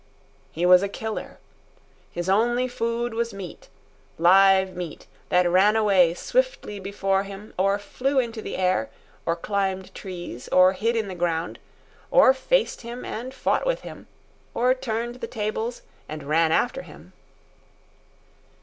He was a killer. His only food was meat, live meat, that ran away swiftly before him, or flew into the air, or climbed trees, or hid in the ground, or faced him and fought with him, or turned the tables and ran after him.